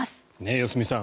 良純さん